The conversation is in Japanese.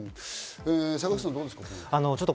坂口さん、どうですか？